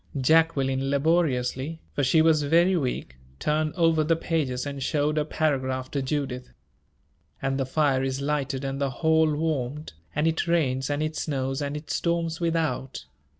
Jacqueline, laboriously for she was very weak turned over the pages and showed a paragraph to Judith: "And the fire is lighted and the hall warmed, and it rains and it snows and it storms without.